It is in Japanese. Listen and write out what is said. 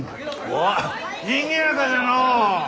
おうにぎやかじゃのう！